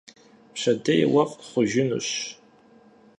Пщэдей уэфӀ хъужынущ.